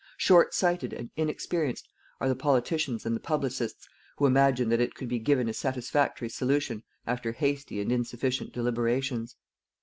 Shortsighted and inexperienced are the politicians and the publicists who imagine that it could be given a satisfactory solution after hasty and insufficient deliberations.